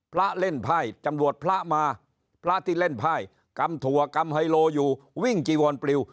เล่นไพ่จำรวจพระมาพระที่เล่นไพ่กำถั่วกำไฮโลอยู่วิ่งจีวอนปลิว